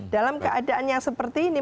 dalam keadaan yang seperti ini